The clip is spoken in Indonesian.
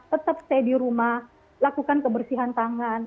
tetap stay di rumah lakukan kebersihan tangan